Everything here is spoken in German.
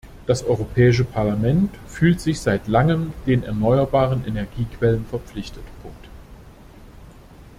Das Europäische Parlament fühlt sich seit langem den erneuerbaren Energiequellen verpflichtet.